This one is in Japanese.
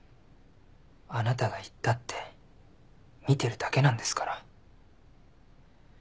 あなたが行ったって見てるだけなんですから。